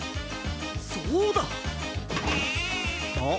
そうだ！あ？